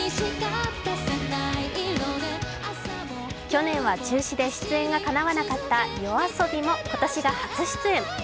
去年は中止で出演がかなわなかったＹＯＡＳＯＢＩも今年が初出演。